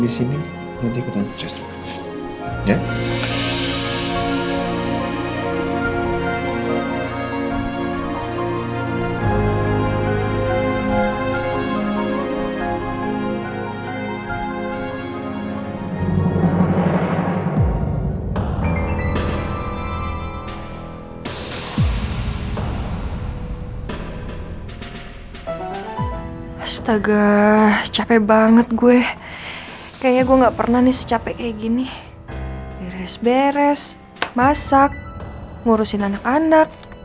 sampai jumpa di video selanjutnya